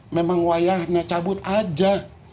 memang wayahnya cabut aja